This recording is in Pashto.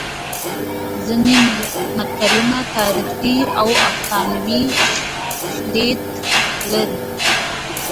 ځینې متلونه تاریخي او افسانوي شالید لري